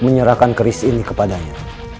menyerahkan keris ini kepadanya